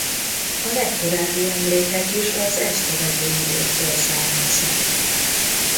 A legkorábbi emlékek is az ezt követő időkből származnak.